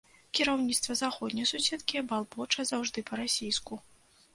Кіраўніцтва заходняй суседкі балбоча заўжды па-расійску.